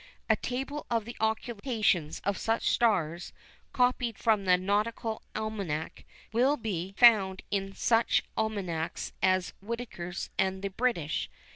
A table of the occultations of such stars, copied from the Nautical Almanac, will be found in such almanacs as Whitaker's and the British.